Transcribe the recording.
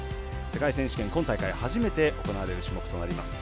世界選手権、今大会初めて行われる種目となります。